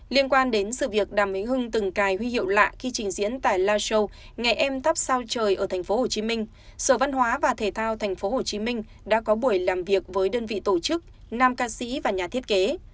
liên quan đến sự việc đàm minh hưng từng cài huy hiệu lạ khi trình diễn tại live show ngày em thắp sao trời ở tp hcm sở văn hóa và thể thao tp hcm đã có buổi làm việc với đơn vị tổ chức nam ca sĩ và nhà thiết kế